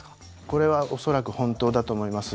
これは恐らく本当だと思います。